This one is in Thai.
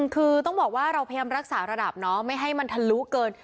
คือต้องบอกว่าเราพยายามรักษาระดับเนาะไม่ให้มันทะลุเกิน